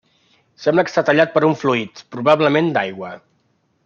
Sembla que està tallat per un fluid, probablement d'aigua.